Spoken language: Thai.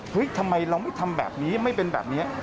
ทำไมเราไม่ทำแบบนี้ไม่เป็นแบบนี้